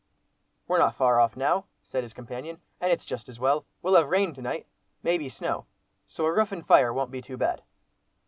"We're not far off, now," said his companion, "and it's just as well. We'll have rain to night—may be snow. So a roof and a fire won't be too bad."